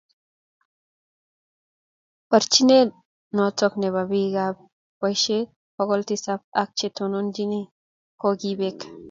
Borchinee noto ne bo biikab boisie bokol tisap ak che tonontochine ko kibek.